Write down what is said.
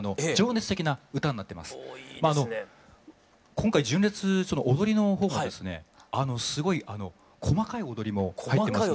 今回純烈踊りのほうがですねすごい細かい踊りも入ってますので。